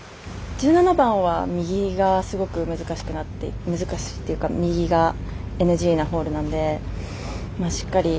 １７番は右がすごく難しく難しいというか右がＮＧなホールなんでしっかり。